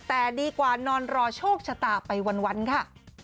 แต่ดีกว่านอนรอโชคชะตาไปวันค่ะ